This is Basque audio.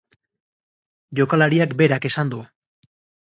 Jokalariak berak esan du.